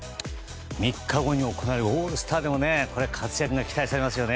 ３日後に行われるオールスターでも活躍が期待されますよね。